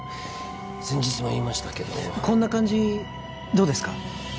先日も言いましたけどこんな感じどうですか？